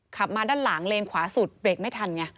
ขับมาด้านหลังเลนขวาสุดเบรกไม่ทันไง